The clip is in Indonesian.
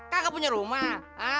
kakak punya rumah